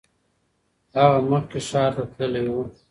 هغه مخکې ښار ته تللی و.